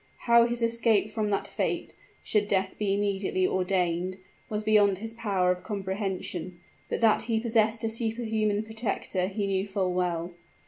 How his escape from that fate (should death be indeed ordained) was beyond his power of comprehension; but that he possessed a superhuman protector he knew full well.